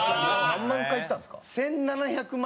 何万回いったんですか？